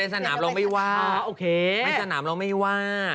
สนามเราไม่ว่าโอเคในสนามเราไม่ว่า